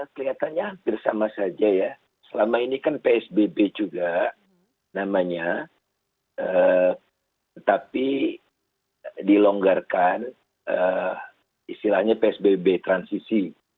kelihatannya hampir sama saja ya selama ini kan psbb juga namanya tetapi dilonggarkan istilahnya psbb transisi